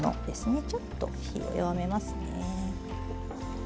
ちょっと火を弱めますね。